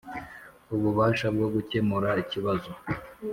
ububasha bwo gukemura ikibazo